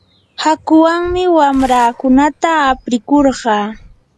hakuwanmi wamraakunata aprikurqaa.